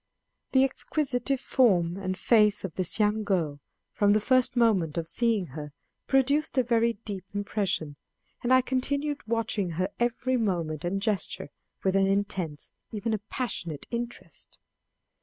The exquisite form and face of this young girl, from the first moment of seeing her, produced a very deep impression; and I continued watching her every movement and gesture with an intense, even a passionate interest.